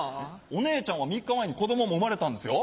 お姉ちゃんは３日前に子供も生まれたんですよ。